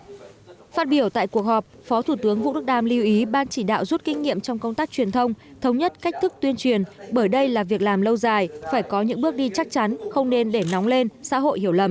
phát biểu tại cuộc họp phó thủ tướng vũ đức đam lưu ý ban chỉ đạo rút kinh nghiệm trong công tác truyền thông thống nhất cách thức tuyên truyền bởi đây là việc làm lâu dài phải có những bước đi chắc chắn không nên để nóng lên xã hội hiểu lầm